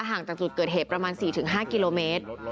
ห่างจากจุดเกิดเหตุประมาณ๔๕กิโลเมตร